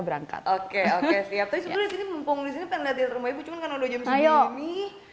berangkat oke oke siap siap ini pembungkusnya pengen lihat rumahnya cuma karena udah jam segini